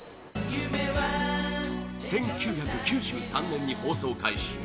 １９９３年に放送開始